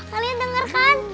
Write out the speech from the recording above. kalian denger kan